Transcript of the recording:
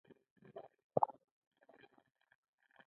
ټول عالم په خوب ویده و نیمه شپه وه.